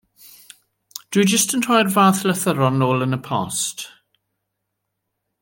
Dw i jyst yn rhoi'r fath lythyron nôl yn y post.